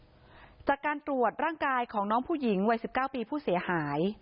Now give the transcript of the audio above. จากการตรวจร่างกายของน้องผู้หญิงวัย๑๙ปีผู้เสียหาย